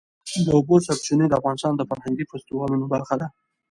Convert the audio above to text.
د اوبو سرچینې د افغانستان د فرهنګي فستیوالونو برخه ده.